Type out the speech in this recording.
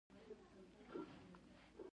آیا موږ د ودانیو مواد لرو؟